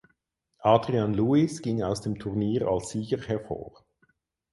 Adrian Lewis ging aus dem Turnier als Sieger hervor.